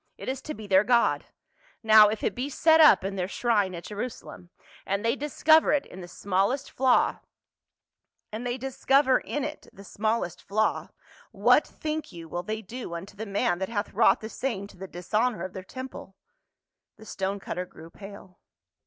It is to be their god. Now if it be set up in their shrine at Jerusalem, and they discover in it the smallest flaw, what, think you, will they do unto the man that hath wrought the same to the dishonor of their temple?" The stone cutter grew pale.